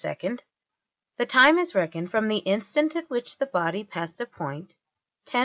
sec, the time is reckoned from the instant at which the body passed a point $10.